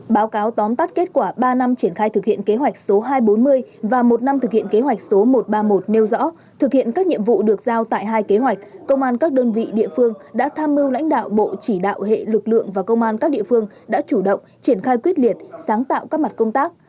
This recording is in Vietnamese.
báo cáo tóm tắt kết quả ba năm triển khai thực hiện kế hoạch số hai trăm bốn mươi và một năm thực hiện kế hoạch số một trăm ba mươi một nêu rõ thực hiện các nhiệm vụ được giao tại hai kế hoạch công an các đơn vị địa phương đã tham mưu lãnh đạo bộ chỉ đạo hệ lực lượng và công an các địa phương đã chủ động triển khai quyết liệt sáng tạo các mặt công tác